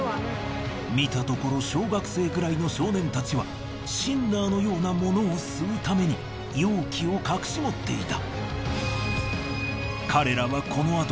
見たところ小学生くらいの少年たちはシンナーのようなものを吸うために容器を隠し持っていた。